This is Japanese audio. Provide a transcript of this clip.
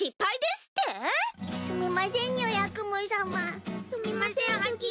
すみませんはぎ。